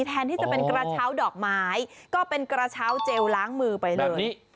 แทนที่จะเป็นกระเช้าดอกไม้ก็เป็นกระเช้าเจลล้างมือไปเลย